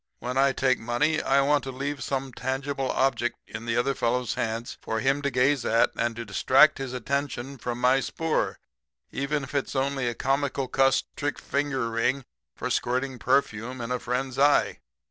When I take money I want to leave some tangible object in the other fellow's hands for him to gaze at and to distract his attention from my spoor, even if it's only a Komical Kuss Trick Finger Ring for Squirting Perfume in a Friend's Eye.